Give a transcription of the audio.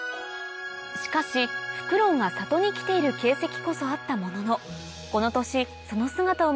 しかしフクロウが里に来ている形跡こそあったもののこの年